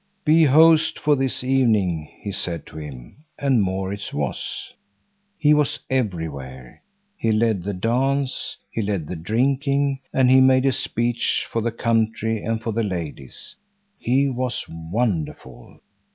"Be host for this evening," he said to him, and Maurits was. He was everywhere. He led the dance, he led the drinking, and he made a speech for the county and for the ladies. He was wonderful.